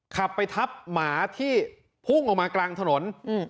ขับไปทับหมาที่พุ่งออกมากลางถนน